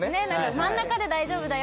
真ん中で大丈夫だよ